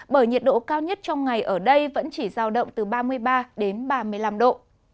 bởi nhiệt độ cao nhất trong ngày ở đây vẫn chỉ giao động từ ba mươi ba đến ba mươi năm độ